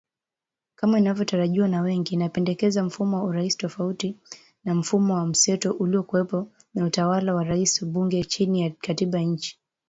Kama inavyotarajiwa na wengi , inapendekeza mfumo wa urais tofauti na mfumo wa mseto uliokuwepo wa utawala wa rais na bunge chini ya katiba ya nchi.